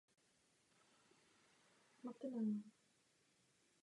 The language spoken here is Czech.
Vrcholem jeho trenérské kariéry bylo působení u týmu Zbrojovky Brno.